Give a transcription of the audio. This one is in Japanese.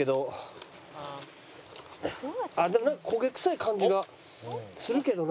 でもなんか焦げ臭い感じがするけどな。